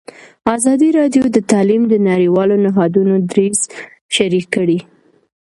ازادي راډیو د تعلیم د نړیوالو نهادونو دریځ شریک کړی.